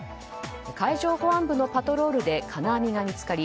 海上保安部のパトロールで金網が見つかり